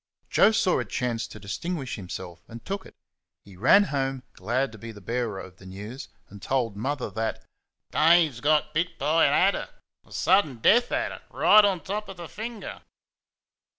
Joe saw a chance to distinguish himself, and took it. He ran home, glad to be the bearer of the news, and told Mother that "Dave's got bit by a adder a sudden death adder right on top o' the finger."